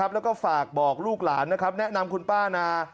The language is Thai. แล้วก็ฝากบอกลูกหลานนะครับแนะนำคุณป้านา